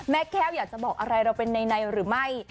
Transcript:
แก้วอยากจะบอกอะไรเราเป็นในหรือไม่